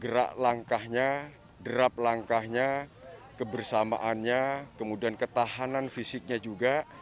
gerak langkahnya derap langkahnya kebersamaannya kemudian ketahanan fisiknya juga